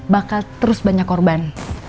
bakal terus banyak korban